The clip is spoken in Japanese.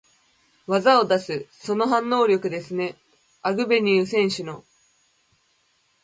技を出す、その反応力ですね、アグベニュー選手の。